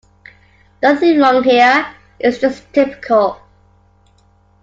Nothing wrong here, it's just typical.